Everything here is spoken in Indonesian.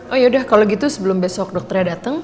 oh ya udah kalau gitu sebelum besok dokternya dateng